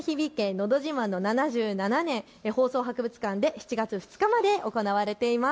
のど自慢の７７年、放送博物館で７月２日まで行われています。